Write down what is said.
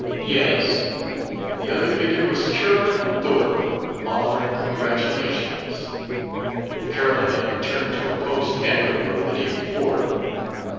Yes, the other figure was Carolyn Thorpe, offering congratulations. Carolyn had returned to her post and her work the day before.